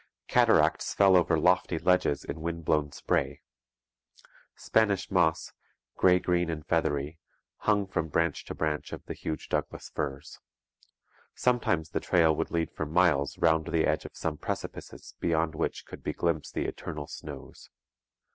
Cataracts fell over lofty ledges in wind blown spray. Spanish moss, grey green and feathery, hung from branch to branch of the huge Douglas firs. Sometimes the trail would lead for miles round the edge of some precipices beyond which could be glimpsed the eternal snows.